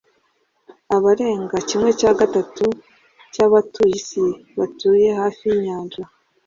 Abarenga kimwe cya gatatu cyabatuye isi batuye hafi yinyanja.